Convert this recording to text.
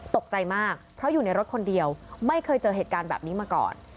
ตกใจมากเพราะอยู่ในรถคนเดียวไม่เคยเจอเหตุการณ์แบบนี้มาก่อน